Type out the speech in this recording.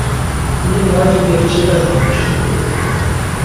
Inadvertidamente